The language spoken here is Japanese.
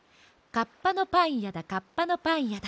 カッパのパンやだカッパのパンやだ。